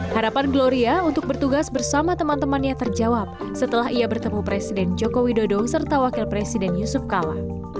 harapan gloria untuk bertugas bersama teman temannya terjawab setelah ia bertemu presiden joko widodo serta wakil presiden yusuf kala